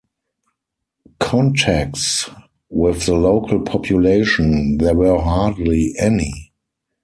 Contacts with the local population there were hardly any.